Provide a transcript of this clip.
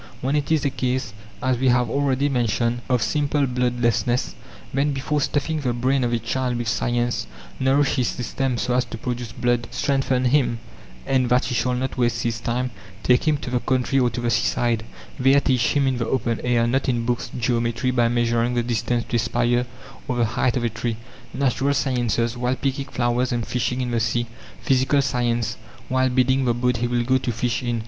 When it is a case, as we have already mentioned, of simple bloodlessness, then before stuffing the brain of a child with science, nourish his system so as to produce blood, strengthen him, and, that he shall not waste his time, take him to the country or to the seaside; there, teach him in the open air, not in books geometry, by measuring the distance to a spire, or the height of a tree; natural sciences, while picking flowers and fishing in the sea; physical science, while building the boat he will go to fish in.